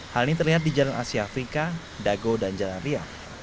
hal ini terlihat di jalan asia afrika dago dan jalan ria